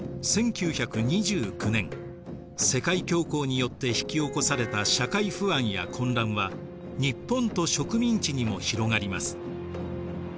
１９２９年世界恐慌によって引き起こされた社会不安や混乱は日本と植民地にも広がります。